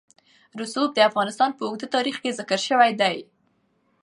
رسوب د افغانستان په اوږده تاریخ کې ذکر شوی دی.